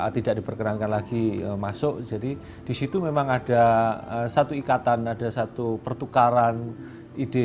tidak diperkenankan lagi masuk jadi disitu memang ada satu ikatan ada satu pertukaran ide